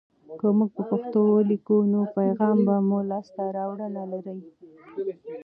که موږ په پښتو ولیکو، نو پیغام به مو لاسته راوړنه لري.